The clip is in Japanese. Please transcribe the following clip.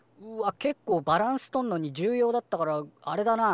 けっこうバランスとんのに重要だったからあれだな。